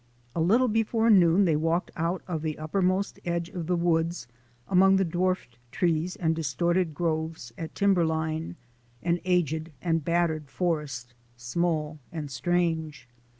A little before noon they walked out of the up permost edge of the woods among the dwarfed trees and distorted groves at timberline — an aged and battered forest, small and strange.